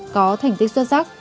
có thành tích xuất sắc